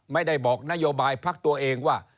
ไม่ได้บอกนโยบายพักตัวเองว่า